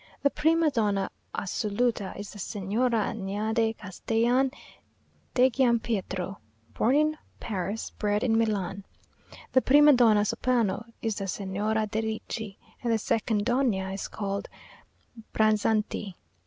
The prima donna assoluta is the Signora Anaide Castellan de Giampietro, born in Paris, bred in Milan. The prima donna soprano is the Signora de Ricci; and the second donna is called Branzanti.